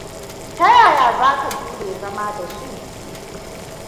Ta yaya za ka jure zama da su?